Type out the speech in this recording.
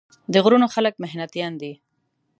د غرونو خلک محنتيان دي ـ